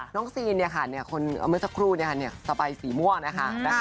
น้องซีนเนี่ยค่ะเมื่อสักครู่เนี่ยค่ะสบายสีม่วงนะคะ